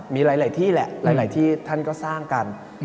มีหลายที่แหละหลายที่ท่านก็สร้างกัน